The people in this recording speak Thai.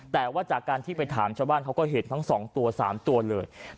แต่ว่าจากการที่ไปถามชาวบ้านเขาก็เห็นทั้ง๒ตัว๓ตัวเลย